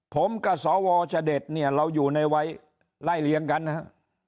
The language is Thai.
ผมกับสวชเดชเนี่ยเราอยู่ในวัยไล่เลี้ยงกันนะฮะ